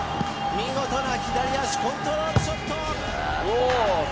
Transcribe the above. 見事な左足、コントロールショット。